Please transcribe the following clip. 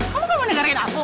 kamu kan mau dengerin aku